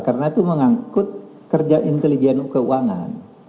karena itu mengangkut kerja intelijen keuangan